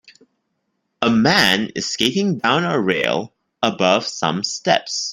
A man is skating down a rail above some steps.